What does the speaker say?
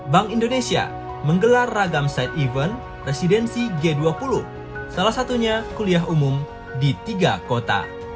bank indonesia menggelar ragam side event residensi g dua puluh salah satunya kuliah umum di tiga kota